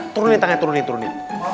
turunin tangannya turunin turunin